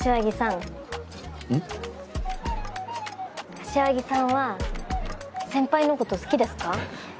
柏木さんは先輩のこと好きですか？